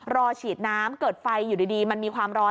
ฉีดน้ำเกิดไฟอยู่ดีมันมีความร้อน